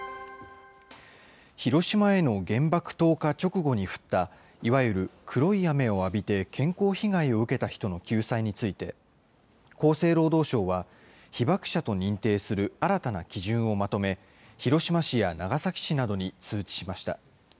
広島への原爆投下直後に降ったいわゆる黒い雨を浴びて健康被害を受けた人の救済について、厚生労働省は、被爆者と認定する新たな基準をまとめ、広島市や長崎市などに通知しました。